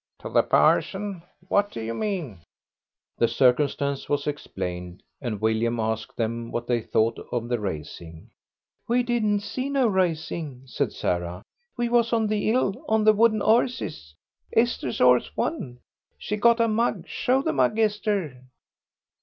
"To the parson. What do you mean?" The circumstance was explained, and William asked them what they thought of the racing. "We didn't see no racing," said Sarah; "we was on the 'ill on the wooden 'orses. Esther's 'orse won. She got a mug; show the mug, Esther."